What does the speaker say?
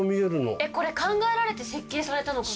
これ考えられて設計されたのかな。